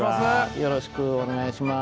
よろしくお願いします。